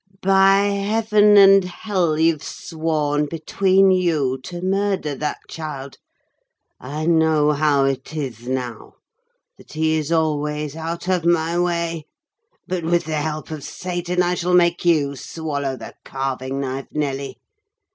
"By heaven and hell, you've sworn between you to murder that child! I know how it is, now, that he is always out of my way. But, with the help of Satan, I shall make you swallow the carving knife, Nelly!